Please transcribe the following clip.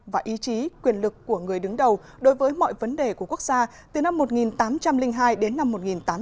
và ý chí quyền lực của người đứng đầu đối với mọi vấn đề của quốc gia từ năm một nghìn tám trăm linh hai đến năm một nghìn tám trăm tám mươi